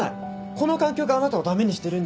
この環境があなたを駄目にしてるんです。